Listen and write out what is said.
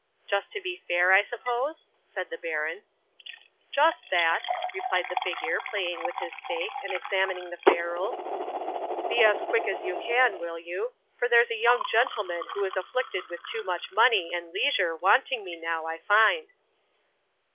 '"Just to see fair, I suppose?" said the baron. '"Just that," replied the figure, playing with his stake, and examining the ferule. "Be as quick as you can, will you, for there's a young gentleman who is afflicted with too much money and leisure wanting me now, I find."